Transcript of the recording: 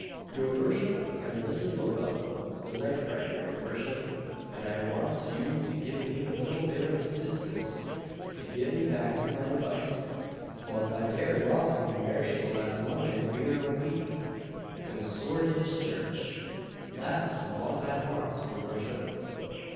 "Your vorship, I am Mister Lovell, the knife grinder, your vorship, and I vantz you to give me a little bit of 'sistance to get me back my vife, vot I vere lawfully married to last Monday vere a veek, at Soreditch Church: that's vot I vantz, your vorship."